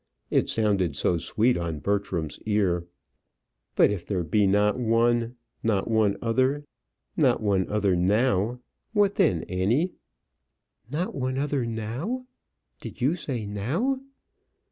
It sounded so sweet on Bertram's ear. "But if there be not one not one other; not one other now what then, Annie?" "Not one other now? Did you say now?